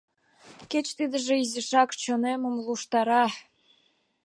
Кеч тидыже изишак чонемым луштара.